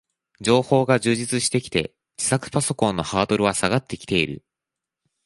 情報が充実してきて、自作パソコンのハードルは下がってきている